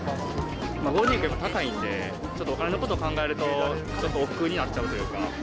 ゴールデンウィークは高いんで、ちょっとお金のこと考えると、ちょっとおっくうになっちゃうというか。